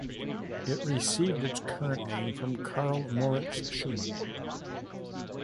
It received its current name from Karl Moritz Schumann.